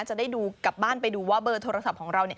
จะได้ดูกลับบ้านไปดูว่าเบอร์โทรศัพท์ของเรา